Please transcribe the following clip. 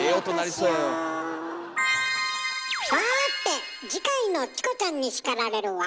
さて次回の「チコちゃんに叱られる」は？